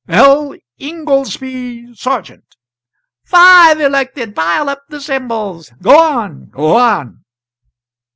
"'L. Ingoldsby Sargent.'" "Five elected! Pile up the Symbols! Go on, go on!"